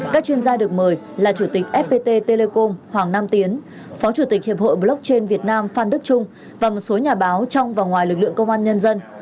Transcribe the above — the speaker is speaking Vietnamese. các chuyên gia được mời là chủ tịch fpt telecom hoàng nam tiến phó chủ tịch hiệp hội blockchain việt nam phan đức trung và một số nhà báo trong và ngoài lực lượng công an nhân dân